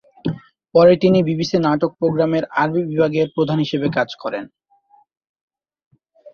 পরে তিনি বিবিসি নাটক প্রোগ্রামের আরবি বিভাগের প্রধান হিসেবে কাজ করেন।